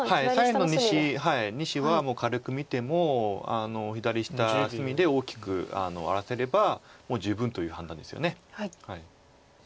左辺の２子はもう軽く見ても左下隅で大きく荒らせればもう十分という判断ですよね。